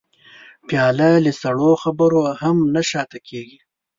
پیاله له سړو خبرو هم نه شا ته کېږي.